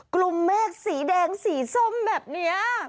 กลุ่มเมฆสีแดงสีส้มแบบนี้